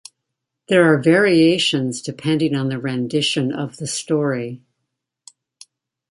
There are variations depending on the rendition of the story.